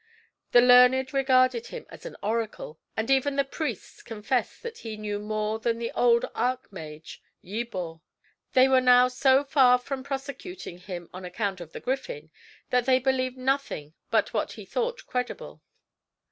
The learned regarded him as an oracle; and even the priests confessed that he knew more than the old archmage Yebor. They were now so far from prosecuting him on account of the griffin, that they believed nothing but what he thought credible.